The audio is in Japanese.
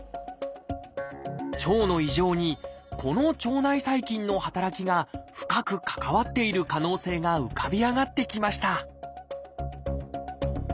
腸の異常にこの腸内細菌の働きが深く関わっている可能性が浮かび上がってきました